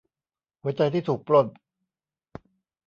หัวใจที่ถูกปล้น